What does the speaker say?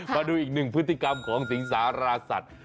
มาดูอีกหนึ่งพฤติกรรมของสิงสารสัตว์